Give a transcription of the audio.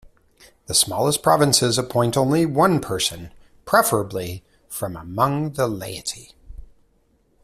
The smallest provinces appoint only one person, preferably from among the laity.